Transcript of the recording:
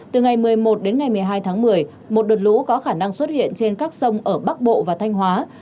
từ ngày một mươi một đến ngày một mươi hai tháng một mươi một đợt lũ có khả năng xuất hiện trên các sông ở bắc bộ và thanh hóa